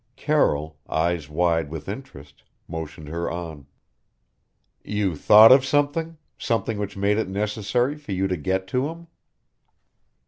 Carroll eyes wide with interest motioned her on. "You thought of something something which made it necessary for you to get to him?"